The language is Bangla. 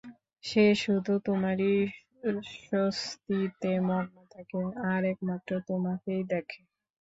সে শুধু তোমারই স্তুতিতে মগ্ন থাকে, আর একমাত্র তোমাকেই দেখে।